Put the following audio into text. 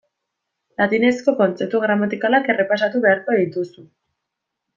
Latinezko kontzeptu gramatikalak errepasatu beharko dituzu.